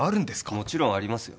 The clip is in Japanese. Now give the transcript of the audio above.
もちろんありますよ